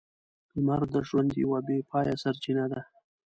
لمر د ژوند یوه بې پايه سرچینه ده.